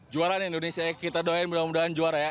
juara nih indonesia ya kita doain mudah mudahan juara ya